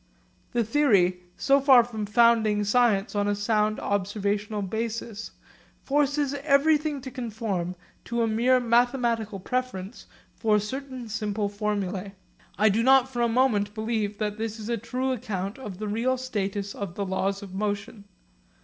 The theory, so far from founding science on a sound observational basis, forces everything to conform to a mere mathematical preference for certain simple formulae. I do not for a moment believe that this is a true account of the real status of the Laws of Motion.